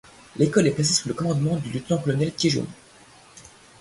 L'école est placée sous le commandement du lieutenant-colonel Kieżun.